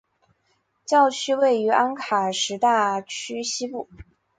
教区位于安卡什大区西部。